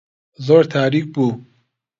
زۆر تاریک بوو.